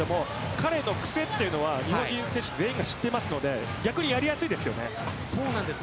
彼のくせは日本人選手全員が知っているので逆にやりやすいです。